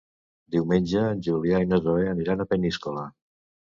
Diumenge en Julià i na Zoè aniran a Peníscola.